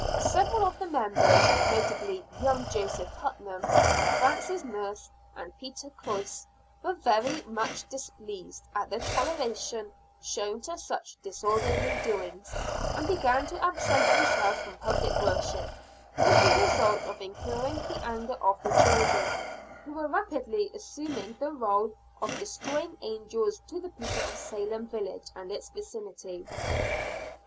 Several of the members, notably young Joseph Putnam, Francis Nurse and Peter Cloyse were very much displeased at the toleration shown to such disorderly doings, and began to absent themselves from public worship, with the result of incurring the anger of the children, who were rapidly assuming the role of destroying angels to the people of Salem village and its vicinity.